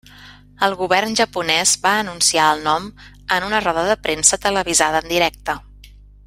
El govern japonès va anunciar el nom en una roda de premsa televisada en directe.